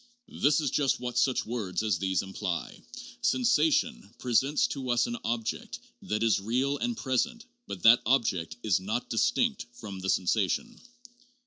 This is just what such words as these imply: "Sensation presents to tis an object that is real and present, but that object is not distinct from the sensation."